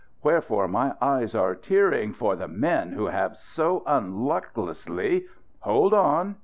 Wherefore my eyes are tearing, for the men who have so unlucklessly " "Hold on!"